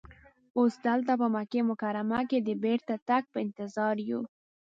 اوس دلته په مکه مکرمه کې د بېرته تګ په انتظار یو.